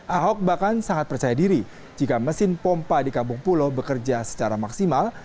ahok bahkan sangat percaya diri jika mesin pompa di kampung pulo bekerja secara maksimal